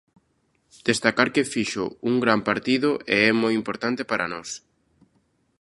Destacar que fixo un gran partido e é moi importante para nós.